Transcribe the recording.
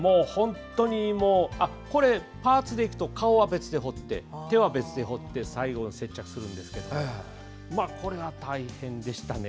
これはパーツでいくと顔は別で彫って、手は別で彫って最後に接着するんですけどこれが大変でしたね。